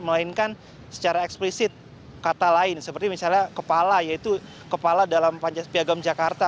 melainkan secara eksplisit kata lain seperti misalnya kepala yaitu kepala dalam piagam jakarta